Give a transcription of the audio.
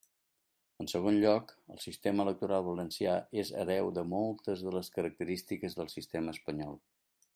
En segon lloc, el sistema electoral valencià és hereu de moltes de les característiques del sistema espanyol.